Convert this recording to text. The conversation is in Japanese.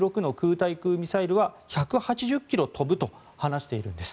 対空ミサイルは１８０ｋｍ飛ぶと話しているんです。